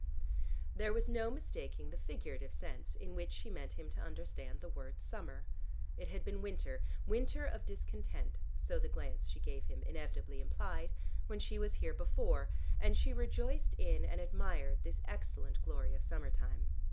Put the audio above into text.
There was no mistaking the figurative sense in which she meant him to understand the word "summer." It had been winter, winter of discontent so the glance she gave him inevitably implied when she was here before, and she rejoiced in and admired this excellent glory of summer time.